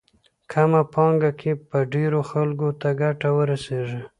کمه پانګه کې به ډېرو خلکو ته ګټه ورسېږي.